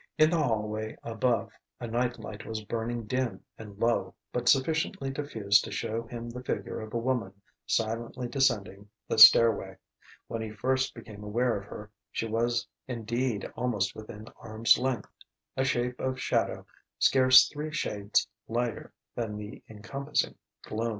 In the hallway above a night light was burning dim and low but sufficiently diffused to show him the figure of a woman silently descending the stairway. When he first became aware of her she was indeed almost within arm's length: a shape of shadow scarce three shades lighter than the encompassing gloom....